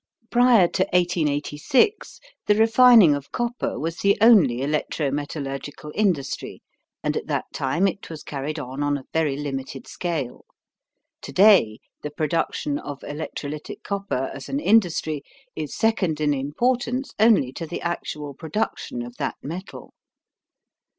Prior to 1886 the refining of copper was the only electro metallurgical industry and at that time it was carried on on a very limited scale. To day the production of electrolytic copper as an industry is second in importance only to the actual production of that metal.